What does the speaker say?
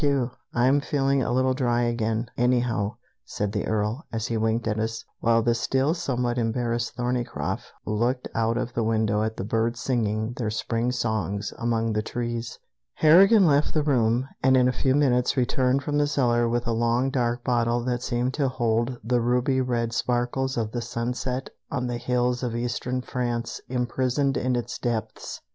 D. Q.! I'm feeling a little dry again, anyhow," said the Earl, as he winked at us, while the still somewhat embarrassed Thorneycroft looked out of the window at the birds singing their spring songs among the trees. Harrigan left the room, and in a few minutes returned from the cellar with a long dark bottle that seemed to hold the ruby red sparkles of the sunset on the hills of eastern France imprisoned in its depths.